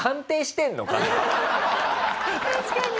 確かに。